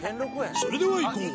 それではいこう！